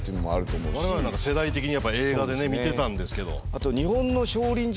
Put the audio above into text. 我々なんか世代的にやっぱ映画でね見てたんですけど。